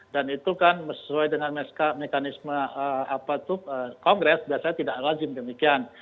dan itu kan sesuai dengan mekanisme kongres biasanya tidak lazim demikian